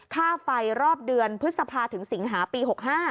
ค่าไฟรอบเดือนพฤษภาถึงสิงหาปี๖๕